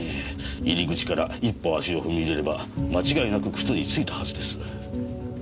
入り口から一歩足を踏み入れれば間違いなく靴に付いたはずです。